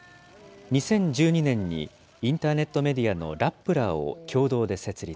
２０１２年にインターネットメディアのラップラーを共同で設立。